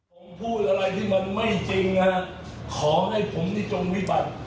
ผมพูดอะไรที่มันไม่จริงนะขอให้ผมนี่จงวิบัติ